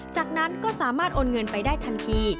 จากนั้นก็สามารถโอนเงินไปได้ทันที